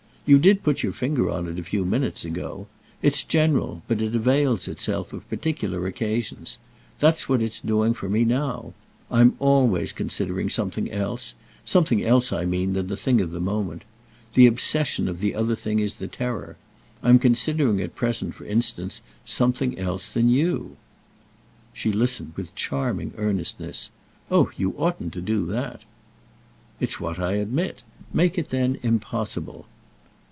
You did put your finger on it a few minutes ago. It's general, but it avails itself of particular occasions. That's what it's doing for me now. I'm always considering something else; something else, I mean, than the thing of the moment. The obsession of the other thing is the terror. I'm considering at present for instance something else than you." She listened with charming earnestness. "Oh you oughtn't to do that!" "It's what I admit. Make it then impossible."